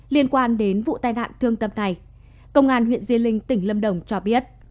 liên quan đến vụ tai nạn thương tâm này công an huyện diên linh tỉnh lâm đồng cho biết